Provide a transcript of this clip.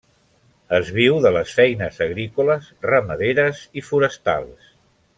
Es viu de les feines agrícoles, ramaderes i forestals.